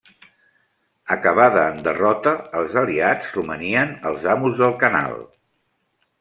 Acabada en derrota, els aliats romanien els amos del Canal.